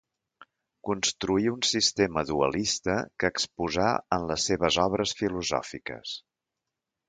Construí un sistema dualista que exposà en les seves obres filosòfiques.